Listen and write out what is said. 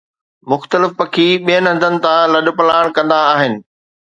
مختلف پکي ٻين هنڌن تان لڏپلاڻ ڪندا آهن